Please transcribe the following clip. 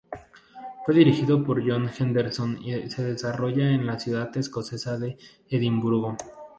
Fue dirigido por John Henderson, y se desarrolla en la ciudad escocesa de Edimburgo.